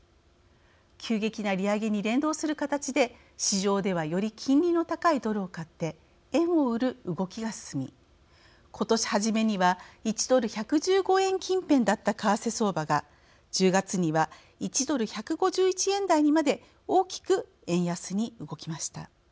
急激な利上げに連動する形で市場ではより金利の高いドルを買って円を売る動きが進み今年初めには１ドル１１５円近辺だった為替相場が１０月には１ドル１５１円台にまで大きく円安に動きました。